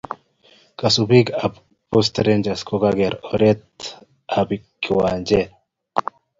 Kasupik ab post rangers koker oret ab kiwanjet